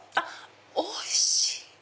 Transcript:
おいしい！